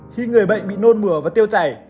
khi người bệnh bị nôn mửa và tiêu chảy